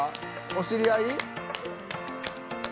お知り合い？